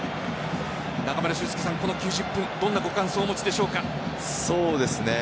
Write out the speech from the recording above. この９０分どんなご感想をお持ちでしょうか。